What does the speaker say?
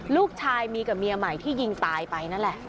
ลูกชายมีกับเมียใหม่ที่ยิงตายไปนั่นแหละ